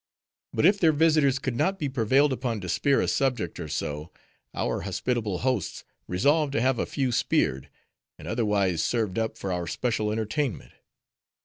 But if their visitors could not be prevailed upon to spear a subject or so, our hospitable hosts resolved to have a few speared, and otherwise served up for our special entertainment.